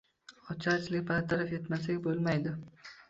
Ocharchilikni bartaraf etmasak bo‘lmaydi.